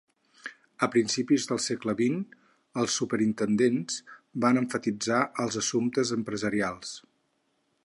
A principis del segle vint, els superintendents van emfatitzar els assumptes empresarials.